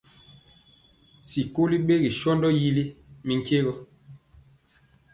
Sikoli ɓegi sɔndaa yili mi nkye gɔ.